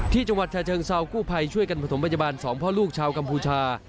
ที่จังหวัดชาเชิงเซาคู่ภัยช่วยกันผศมพยาบาล๒พ่อลูกชาวกัมพูชา